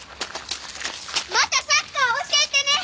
またサッカー教えてね！